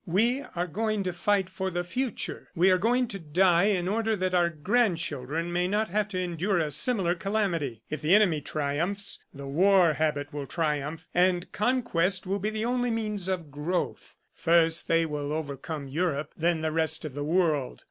"We are going to fight for the future; we are going to die in order that our grandchildren may not have to endure a similar calamity. If the enemy triumphs, the war habit will triumph, and conquest will be the only means of growth. First they will overcome Europe, then the rest of the world.